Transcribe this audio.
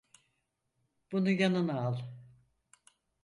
Bunu yanına al.